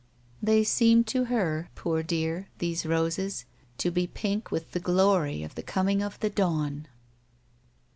They seemed to her, poor dear, these roses, to be pink with the glory of the coming of the dawn.